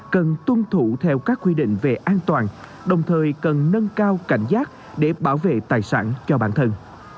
cần tuân thủ theo các quy định về an toàn đồng thời cần nâng cao cảnh giác để bảo vệ tài sản cho bản thân